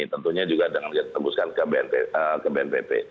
tentunya juga dengan kita tembuskan ke bnpp